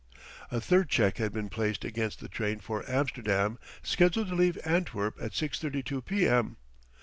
A third check had been placed against the train for Amsterdam scheduled to leave Antwerp at 6:32 p. m.